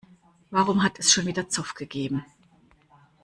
Warum hat es schon wieder Zoff gegeben?